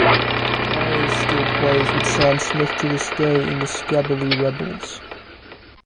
Byers still plays with Sam Smith to this day in The Skabilly Rebels.